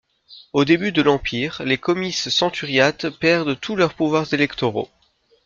Au début de l'Empire, les comices centuriates perdent tous leurs pouvoirs électoraux.